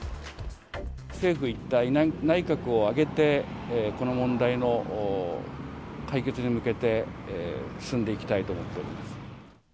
政府一体、内閣を挙げて、この問題の解決に向けて、進んでいきたいと思っております。